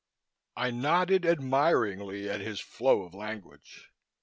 I nodded admiringly at his flow of language.